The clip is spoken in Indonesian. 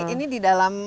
ini di dalam